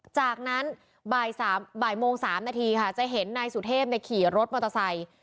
จากนั้นบ่ายโมง๓นาทีค่ะจะเห็นนายสุเทพขี่รถมอเตอร์ไซค์